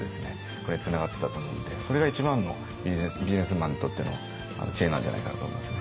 これにつながってたと思うのでそれが一番のビジネスマンにとっての知恵なんじゃないかなと思いますね。